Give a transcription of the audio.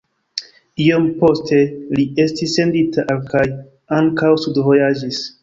Iom poste li estis sendita al kaj ankaŭ studvojaĝis.